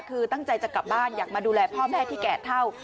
คือตั้งใจจะกลับบ้านอยากมาดูแลพ่อแม่ที่แก่เท่า